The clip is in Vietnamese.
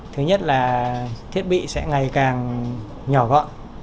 thứ nhất là thiết bị sẽ ngày càng nhỏ gọn